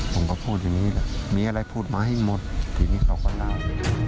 ผมก็พูดอย่างนี้แหละมีอะไรพูดมาให้หมดทีนี้เขาก็เล่า